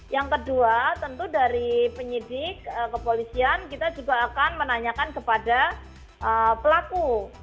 yang kedua tentu dari penyidik kepolisian kita juga akan menanyakan kepada pelaku